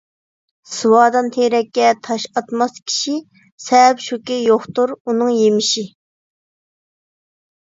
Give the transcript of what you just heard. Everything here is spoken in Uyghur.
سۇۋادان تېرەككە تاش ئاتماس كىشى، سەۋەب شۇكى يوقتۇر ئۇنىڭ يېمىشى.